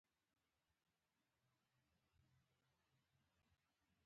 د کائنات شل فیصده تاریک ماده ده.